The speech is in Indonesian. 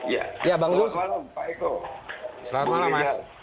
ya selamat malam pak eko selamat malam mas